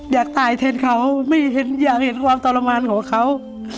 อยากตายแทนเขาไม่อยากเห็นความทรมานของเขา